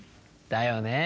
だよね。